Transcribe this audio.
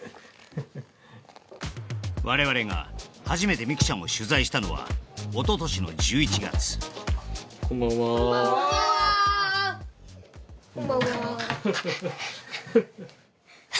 我々が初めて美空ちゃんを取材したのはおととしの１１月こんばんはこんばんはハハハ